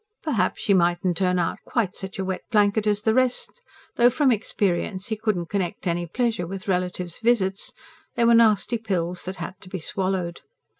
Perhaps she mightn't turn out quite such a wet blanket as the rest; though, from experience, he couldn't connect any pleasure with relatives' visits: they were nasty pills that had to be swallowed.